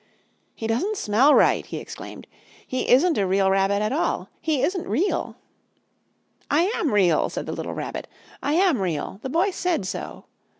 "He doesn't smell right!" he exclaimed. "He isn't a rabbit at all! He isn't real!" "I am Real!" said the little Rabbit. "I am Real! The Boy said so!"